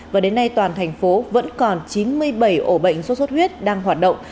và đến nay toàn thành phố vẫn còn chín mươi bảy ổ bệnh sốt xuất huyết đang hoạt động